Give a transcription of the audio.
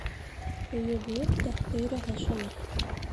Өйө бейек тә өйрәһе шыйыҡ.